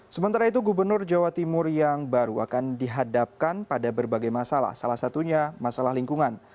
sementara itu gubernur jawa timur yang baru akan dihadapkan pada berbagai masalah salah satunya masalah lingkungan